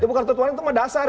bukan itu mah dasar